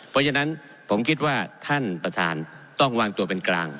เพราะฉะนั้นผมคิดว่าท่านประธานต้องวางตัวเป็นกลาง